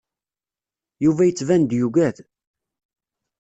Yuba yettban-d yuggad.